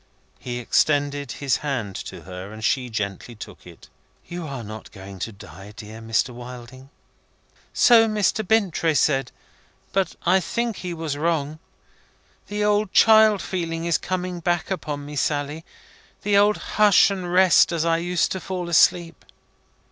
He extended his hand to her, and she gently took it. "You are not going to die, dear Mr. Wilding." "So Mr. Bintrey said, but I think he was wrong. The old child feeling is coming back upon me, Sally. The old hush and rest, as I used to fall asleep."